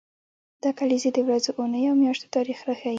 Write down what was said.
دا کلیزې د ورځو، اونیو او میاشتو تاریخ راښيي.